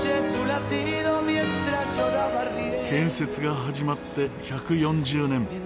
建設が始まって１４０年。